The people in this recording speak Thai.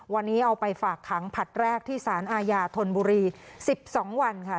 วันนี้เอาไปฝากขังผลัดแรกที่สารอาญาธนบุรี๑๒วันค่ะ